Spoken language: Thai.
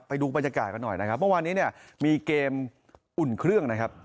ไปดูบรรยากาศกันหน่อยนะครับเมื่อวานนี้เนี่ยมีเกมอุ่นเครื่องนะครับ